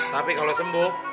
tapi kalo sembuh